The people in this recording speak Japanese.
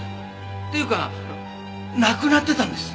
っていうかなくなってたんです。